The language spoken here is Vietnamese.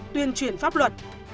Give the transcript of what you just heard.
tuyên truyền pháp luật